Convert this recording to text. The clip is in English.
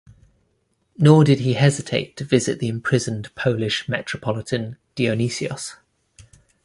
Nor did he hesitate to visit the imprisoned Polish Metropolitan Dionysios.